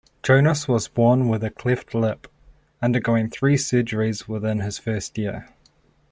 Jonas was born with a cleft lip, undergoing three surgeries within his first year.